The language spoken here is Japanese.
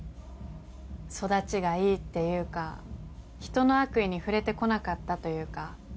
育ちがいいっていうか人の悪意に触れてこなかったというか。